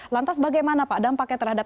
lantas bagaimana pak adam pakai terhadap